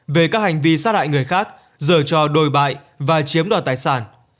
về các hành vi sát hại người khác dở cho đôi bại và chiếm đoàn tài sản